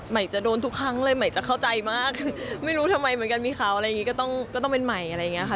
ใหม่จะโดนทุกครั้งเลยใหม่จะเข้าใจมากไม่รู้ทำไมเหมือนกันมีข่าวอะไรอย่างนี้ก็ต้องก็ต้องเป็นใหม่อะไรอย่างนี้ค่ะ